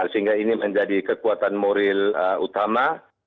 sehingga ini menjadi kekuatan moral utama